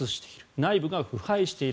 内部が腐敗している。